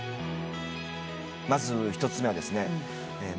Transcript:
まず１つ目はですね